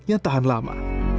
yang tahan lama